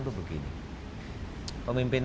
tuh begini pemimpin